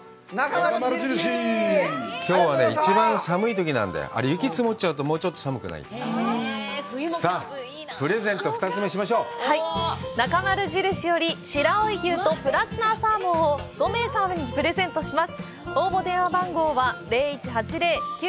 なかまる印より、白老牛とプラチナサーモンを５名様にプレゼントします。